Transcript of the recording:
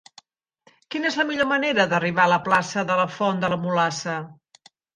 Quina és la millor manera d'arribar a la plaça de la Font de la Mulassa?